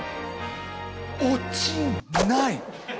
落ちない！